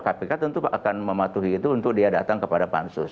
kpk tentu akan mematuhi itu untuk dia datang kepada pansus